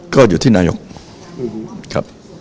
ก็อยู่ที่นายองค์